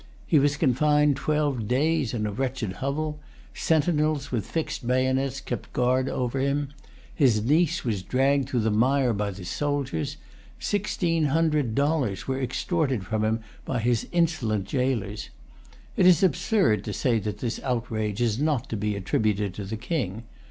He was confined twelve days in a wretched hovel. Sentinels with fixed bayonets kept guard over him. His niece was dragged through the mire by the soldiers. Sixteen hundred dollars were extorted from him by his insolent jailers. It is absurd to[Pg 292] say that this outrage is not to be attributed to the King.